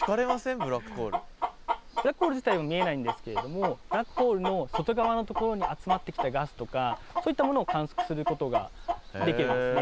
ブラックホール自体は見えないんですけれどもブラックホールの外側のところに集まってきたガスとかそういったものを観測することができるんですね。